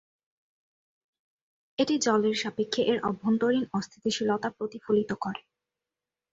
এটি জলের সাপেক্ষে এর অভ্যন্তরীণ অস্থিতিশীলতা প্রতিফলিত করে।